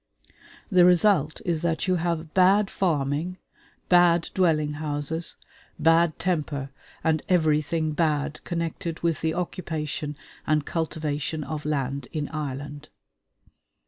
The result is that you have bad farming, bad dwelling houses, bad temper, and everything bad connected with the occupation and cultivation of land in Ireland.